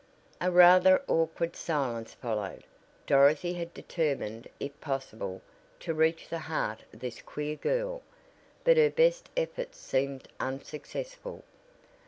A rather awkward silence followed. Dorothy had determined if possible, to reach the heart of this queer girl, but her best efforts seemed unsuccessful.